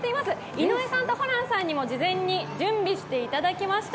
井上さんとホランさんにも事前に準備していただきました。